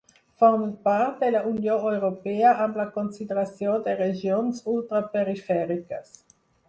Formen part de la Unió Europea amb la consideració de regions ultraperifèriques.